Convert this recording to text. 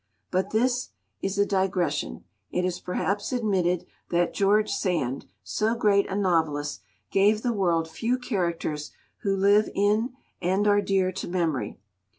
But this is a digression; it is perhaps admitted that George Sand, so great a novelist, gave the world few characters who live in and are dear to memory.